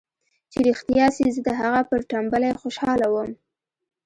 چې رښتيا سي زه د هغه پر ټمبلۍ خوشاله وم.